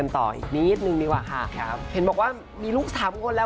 คุณผู้ชมไม่เจนเลยค่ะถ้าลูกคุณออกมาได้มั้ยคะ